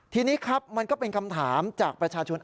ทีนี้ครับมันก็เป็นคำถามจากประชาชน